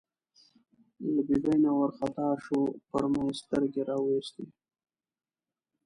له ببۍ نه وار خطا شو، پر ما یې سترګې را وایستې.